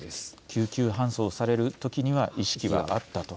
救急搬送されるときには意識はあったと。